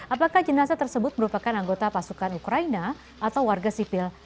apakah jenazah tersebut merupakan anggota pasukan ukraina atau warga sipil